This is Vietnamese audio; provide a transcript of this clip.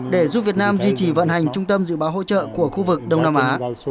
để giúp việt nam duy trì vận hành trung tâm dự báo hỗ trợ của khu vực đông nam á